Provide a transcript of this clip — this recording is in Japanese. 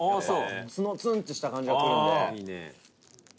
酢のツンとした感じが来るんで。